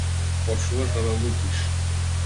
Почнуваш да ме лутиш.